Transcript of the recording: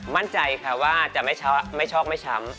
มั่นใจค่ะว่าจะไม่ช้ำไม่ช้อกไม่ช้ำ